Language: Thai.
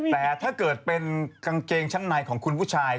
แต่ถ้าเกิดเป็นกางเกงชั้นในของคุณผู้ชาย